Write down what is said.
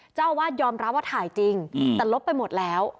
เจ้าอาวาสยอมรับว่าถ่ายจริงแต่ลบไปหมดแล้ว